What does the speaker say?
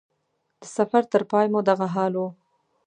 د سفر تر پای مو دغه حال و.